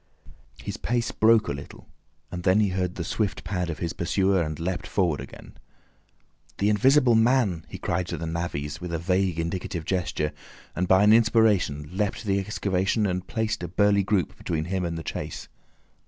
His pace broke a little, and then he heard the swift pad of his pursuer, and leapt forward again. "The Invisible Man!" he cried to the navvies, with a vague indicative gesture, and by an inspiration leapt the excavation and placed a burly group between him and the chase.